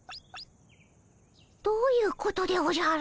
どういうことでおじゃる？